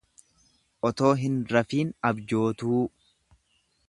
Osoo hin rafiin abjootuu.